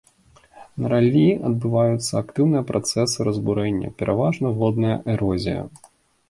На раллі адбываюцца актыўныя працэсы разбурэння, пераважна водная эрозія.